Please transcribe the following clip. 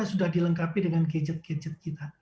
sudah dilengkapi dengan gadget gadget kita